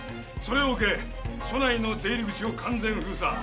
それを受け署内の出入り口を完全封鎖。